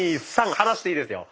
離していいですよ。